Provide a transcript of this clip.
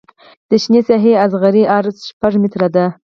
د شنې ساحې اصغري عرض شپږ متره دی